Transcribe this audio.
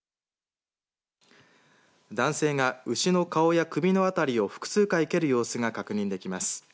男性が牛の顔や首の辺りを複数回蹴るようすが確認できます。